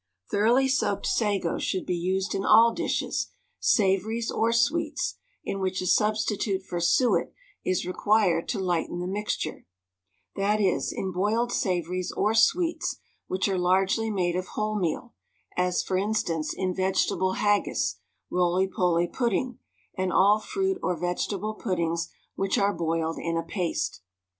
Thoroughly soaked sago should be used in all dishes, savouries or sweets, in which a substitute for suet is required to lighten the mixture; that is, in boiled savouries or sweets which are largely made of wholemeal, as, for instance, in vegetable haggis, roly poly pudding, and all fruit or vegetable puddings which are boiled in a paste.